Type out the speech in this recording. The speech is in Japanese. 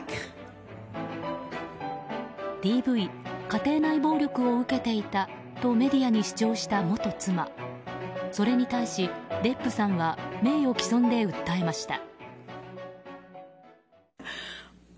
ＤＶ・家庭内暴力を受けていたとメディアに主張した元妻それに対し、デップさんは名誉毀損で訴えました。